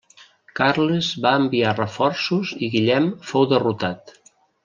Carles va enviar reforços i Guillem fou derrotat.